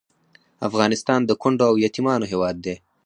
افغانستان د کونډو او یتیمانو هیواد دی